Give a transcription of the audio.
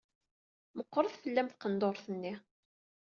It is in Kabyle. Meqqret fell-am tqendurt-nni.